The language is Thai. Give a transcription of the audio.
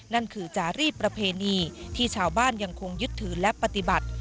นั่นคือจารีสประเพณีที่ชาวบ้านยังคงยึดถือและปฏิบัติ